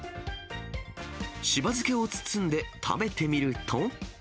柴漬けを包んで食べてみると。